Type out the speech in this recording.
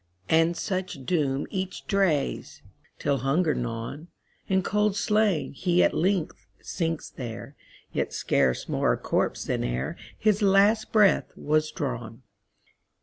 And such doom each drees, Till, hunger gnawn, And cold slain, he at length sinks there, Yet scarce more a corpse than ereHis last breath was drawn.